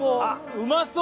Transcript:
うまそう！